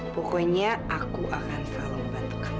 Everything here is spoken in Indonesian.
pokoknya aku akan selalu membantu kamu